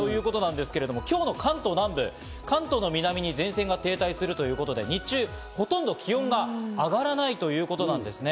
今日の関東南部、関東の南に前線が停滞するということで、日中はほとんど気温が上がらないということなんですね。